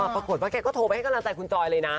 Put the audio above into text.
ปรากฏว่าแกก็โทรไปให้กำลังใจคุณจอยเลยนะ